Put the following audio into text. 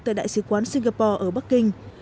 tại đại sứ quán singapore ở bắc kinh